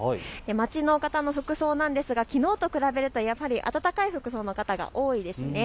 街の方の服装なんですがきのうと比べるとやはり暖かい服装の方が多いですね。